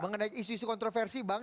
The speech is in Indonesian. mengenai isu isu kontroversi bang